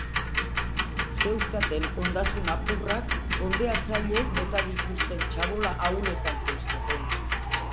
Zeuzkaten ondasun apurrak, hondeatzaileek bota dituzten txabola ahuletan zeuzkaten.